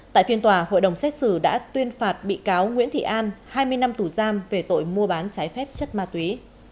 tại phiên tòa hội đồng xét xử đã tuyên phạt bị cáo nguyễn thị an hai mươi năm tù giam về tội mua bán trái phép chất ma túy